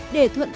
để thuận pháp